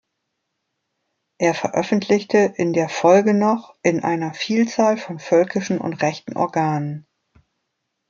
Er veröffentlichte in der Folge noch in einer Vielzahl von völkischen und rechten Organen.